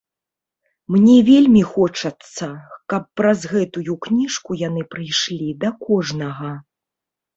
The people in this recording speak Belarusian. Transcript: Мне вельмі хочацца, каб праз гэтую кніжку яны прыйшлі да кожнага.